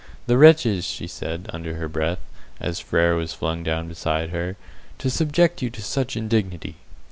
"The wretches!" she said, under her breath, as Frere was flung down beside her, "to subject you to such indignity!"